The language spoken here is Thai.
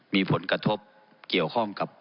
มีผลกระทบเกี่ยวข้องกับ